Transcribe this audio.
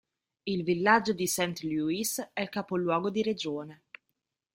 Il villaggio di Saint Louis è il capoluogo di regione.